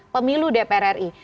pemilu dpr ri